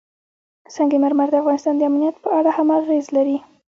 سنگ مرمر د افغانستان د امنیت په اړه هم اغېز لري.